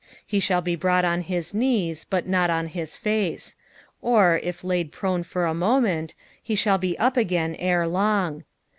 He shall be brought on hia kness, but not on his face ; or, if l«d prone for a OKiment, he sh&ll be up again ere long.